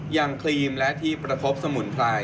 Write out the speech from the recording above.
ครีมและที่ประคบสมุนไพร